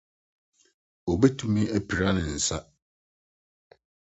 Obetumi apira ne nsa.